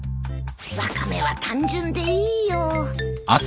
ワカメは単純でいいよ。